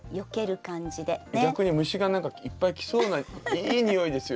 逆に虫が何かいっぱい来そうないい匂いですよ